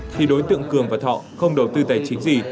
khi đối tượng cường và thọ không đầu tư tài chính gì